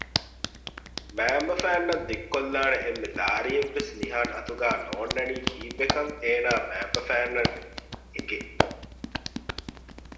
މައިންބަފައިންނަށް ދިއްކޮލާނެ އެންމެ ލާރިއެއްވެސް ނިހާން އަތުގާ ނޯންނަނީ ކީއްވެކަން އޭނާ މައިންބަފައިންނަށް އެނގެ